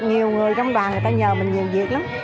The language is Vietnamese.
nhiều người trong đoàn người ta nhờ mình nhìn việc lắm